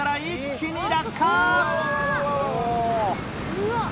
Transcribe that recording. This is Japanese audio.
うわっ！